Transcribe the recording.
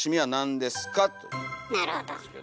なるほど。